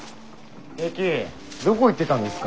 テキどこ行ってたんですか？